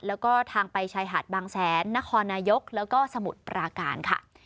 แล้วก็ทางไปชายหาดบางแสนนครนายกแล้วก็สมุทรปราการค่ะ